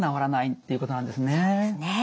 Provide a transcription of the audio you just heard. そうですね。